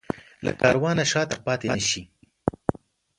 له کاروانه شاته پاتې نه شي.